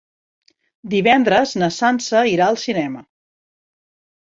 Divendres na Sança irà al cinema.